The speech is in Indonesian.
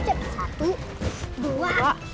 satu dua tiga